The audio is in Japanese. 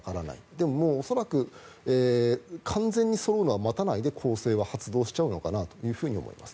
でも恐らく完全にそろうのは待たないで攻勢は発動しちゃうのかなと思います。